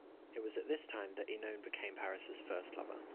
It was at this time that Oenone became Paris's first lover.